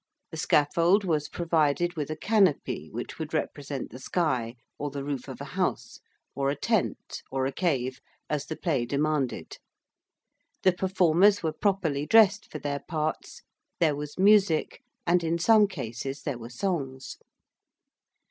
The scaffold was provided with a canopy which would represent the sky, or the roof of a house, or a tent, or a cave, as the play demanded: the performers were properly dressed for their parts: there was music, and in some cases there were songs.